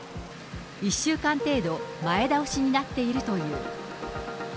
１週間程度、前倒しになっているという。